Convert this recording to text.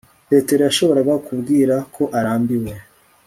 Petero yashoboraga kubwira ko arambiwe